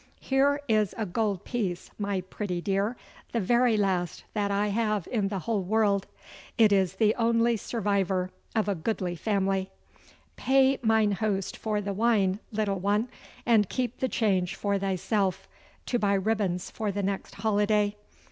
'Here is a gold piece, my pretty dear, the very last that I have in the whole world. It is the only survivor of a goodly family. Pay mine host for the wine, little one, and keep the change for thyself, to buy ribbons for the next holiday.